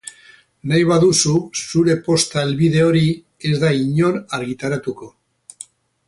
Nahi baduzu zure posta helbide hori ez da inon argitaratuko.